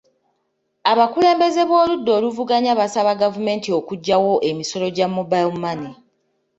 Abakulembeze b'oludda oluvuganya baasaba gavumenti okuggyawo emisolo gya mobile money.